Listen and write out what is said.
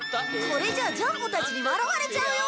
これじゃジャンボたちに笑われちゃうよ！